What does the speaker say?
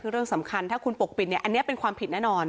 คือเรื่องสำคัญถ้าคุณปกปิดเนี่ยอันนี้เป็นความผิดแน่นอน